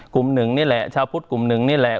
กลุ่มหนึ่งนี่แหละชาวพุทธกลุ่มหนึ่งนี่แหละ